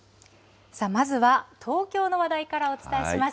まずは、東京の話題からお伝えします。